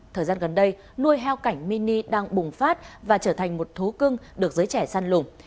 thời gian gần đây nuôi heo cảnh mini đang bùng phát và trở thành một thú cưng được giới trẻ săn lùng